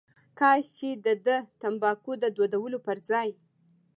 کاش چې دده تنباکو د دودولو پر ځای.